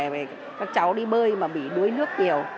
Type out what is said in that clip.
về các cháu đi bơi mà bị đuối nước nhiều